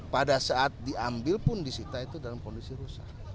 pada saat diambil pun disita itu dalam kondisi rusak